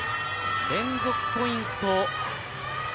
連続ポイント。